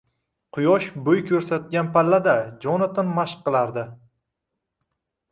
Quyosh bo‘y ko‘rsatgan pallada Jonatan mashq qilardi.